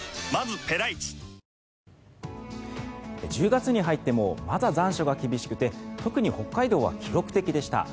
１０月に入ってもまだ残暑が厳しくて特に北海道は記録的でした。